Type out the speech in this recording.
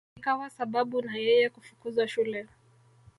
Ikawa sababu ya yeye kufukuzwa shule